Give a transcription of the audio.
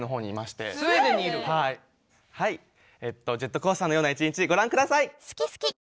ジェットコースターのような一日ご覧ください！